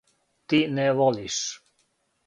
Ти не волиш.